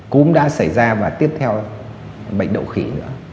cúm đã xảy ra và tiếp theo là bệnh đậu khỉ nữa